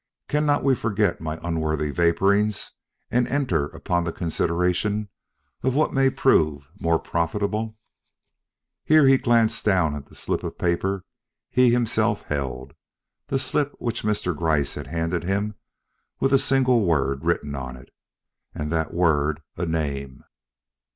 Cannot we forget my unworthy vaporings and enter upon the consideration of what may prove more profitable?" Here he glanced down at the slip of paper he himself held the slip which Mr. Gryce had handed him with a single word written on it, and that word a name.